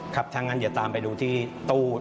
ครับถ้างั้นเดี๋ยวตามไปดูที่ตู้